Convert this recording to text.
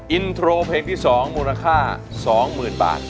อินโทรเพลงที่๒มูลค่า๒๐๐๐บาท